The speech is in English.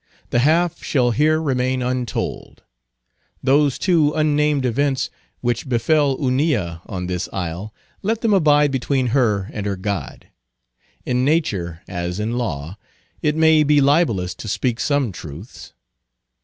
The half shall here remain untold. Those two unnamed events which befell Hunilla on this isle, let them abide between her and her God. In nature, as in law, it may be libelous to speak some truths.